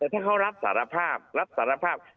ถ้าเขารับสารภาพรับสารภาพ